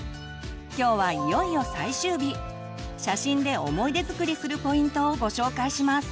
今日はいよいよ最終日写真で思い出づくりするポイントをご紹介します！